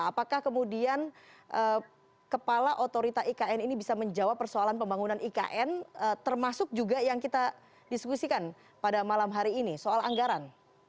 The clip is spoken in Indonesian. apakah kemudian kepala otorita ikn ini bisa menjawab persoalan pembangunan ikn termasuk juga yang kita diskusikan pada malam hari ini soal anggaran